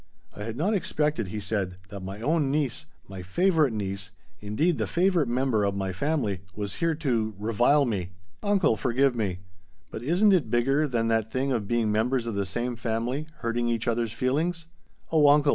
"I had not expected," he said, "that my own niece, my favorite niece indeed, the favorite member of my family was here to revile me." "Uncle forgive me! But isn't it bigger than that thing of being members of the same family hurting each other's feelings? Oh uncle!"